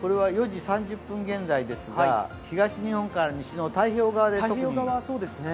４時３０分現在ですが東日本から西の太平洋側で特に。